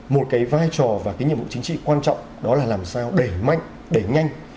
một cái vai trò và cái nhiệm vụ chính trị quan trọng đó là làm sao đẩy mạnh đẩy nhanh